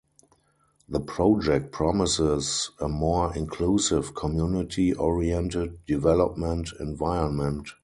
The project promises a more inclusive, community-oriented development environment.